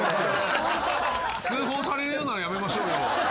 通報されるようなのはやめましょうよ。